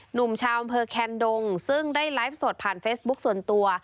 หนุ่มชาวอำเภอแคนดงซึ่งได้ไลฟ์สดผ่านเฟซบุ๊คส่วนตัว